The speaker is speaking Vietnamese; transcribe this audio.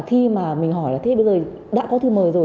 khi mà mình hỏi là thế bây giờ đã có thư mời rồi